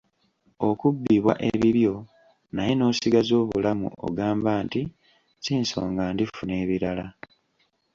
Okubbibwa ebibyo naye n’osigaza obulamu ogamba nti si nsonga ndifuna ebirala.